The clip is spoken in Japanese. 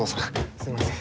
すいません。